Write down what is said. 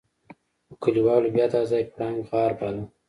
خو کليوالو بيا دا ځای پړانګ غار باله.